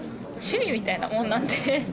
みたいなもんなんで。